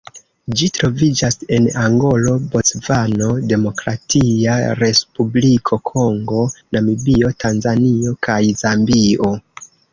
Ĝi troviĝas en Angolo, Bocvano, Demokratia Respubliko Kongo, Namibio, Tanzanio kaj Zambio.